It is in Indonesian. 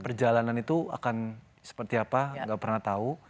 perjalanan itu akan seperti apa nggak pernah tahu